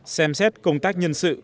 xem xét công tác nhân sự